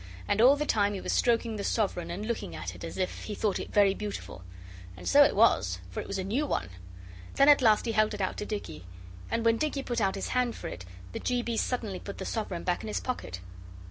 And all the time he was stroking the sovereign and looking at it as if he thought it very beautiful. And so it was, for it was a new one. Then at last he held it out to Dicky, and when Dicky put out his hand for it the G. B. suddenly put the sovereign back in his pocket.